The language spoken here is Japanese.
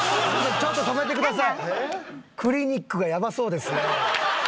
ちょっと止めてください。